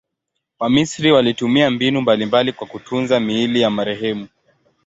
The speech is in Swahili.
Wamisri walitumia mbinu mbalimbali kwa kutunza miili ya marehemu.